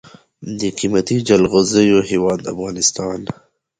د قیمتي جلغوزیو هیواد افغانستان.